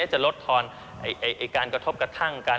จะลดทอนการกระทบกระทั่งกัน